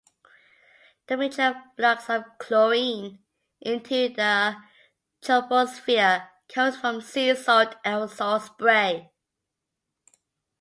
The major flux of chlorine into the troposphere comes from sea salt aerosol spray.